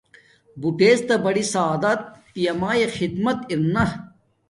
بوٹڎ تا بڑی سعادت پیامایے خدمت ارنا